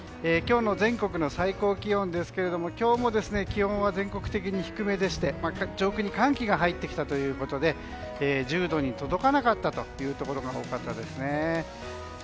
今日の全国の最高気温ですが今日も気温は全国的に低めでして上空に寒気が入ってきたということで１０度に届かなかったところが多かったですね。